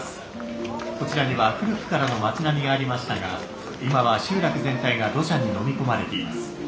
こちらには古くからの町並みがありましたが今は集落全体が土砂にのみ込まれています。